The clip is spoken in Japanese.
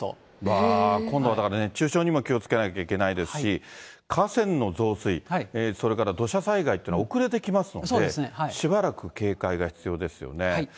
わー、今度はだから、熱中症にも気をつけなきゃいけないですし、河川の増水、それから土砂災害っていうのは遅れてきますので、しばらく警戒が必要ですよね。